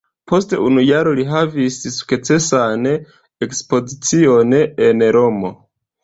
Post unu jaro li havis sukcesan ekspozicion en Romo.